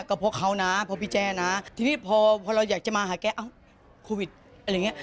แต่เพลงพี่แจ้เรายังชอบหลายเพลงฟังตั้งแต่เด็กฮึย